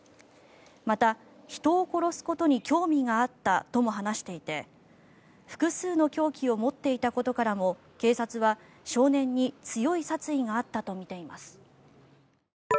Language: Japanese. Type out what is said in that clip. また、人を殺すことに興味があったとも話していて複数の凶器を持っていたことからも警察は、少年に強い殺意があったとみています。